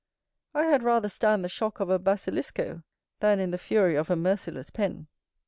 I had rather stand the shock of a basilisko than in the fury of a merciless pen.